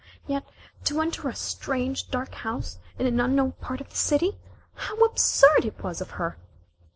Yet to enter a strange dark house, in an unknown part of the city! How absurd it was of her!